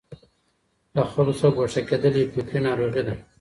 له خلګو څخه ګوښه کېدل يو فکري ناروغي ده.